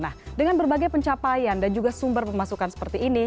nah dengan berbagai pencapaian dan juga sumber pemasukan seperti ini